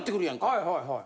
はいはいはい。